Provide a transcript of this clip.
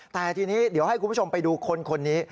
แต่ทีนี้เดี๋ยวให้คุณผู้ชมไปดูคนนี้